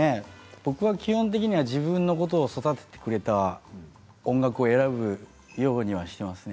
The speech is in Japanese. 僕は基本的には自分のことを育ててくれた音楽を選ぶようにはしていますね。